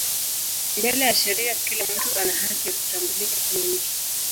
Mbele ya sheria kila mtu ana haki ya kutambulika kama mtu.